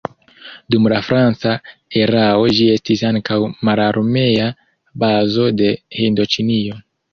Dum la franca erao ĝi estis ankaŭ mararmea bazo de Hindoĉinio.